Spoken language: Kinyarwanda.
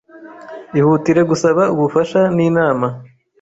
ihutire gusaba ubufasha n’inama